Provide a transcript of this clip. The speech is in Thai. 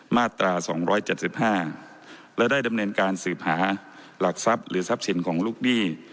มาตรา๒๗๕และได้ดำเนินการสืบหาหลักทรัพย์หรือทรัพย์สินของลูกหนี้